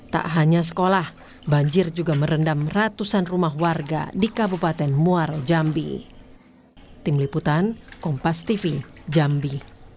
tak hanya sekolah banjir juga merendam ratusan rumah warga di kabupaten muara jambi